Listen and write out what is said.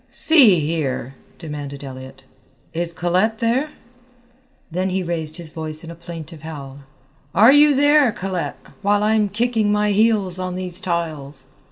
"See here," demanded Elliott, "is Colette there?" Then he raised his voice in a plaintive howl, "Are you there, Colette, while I'm kicking my heels on these tiles?"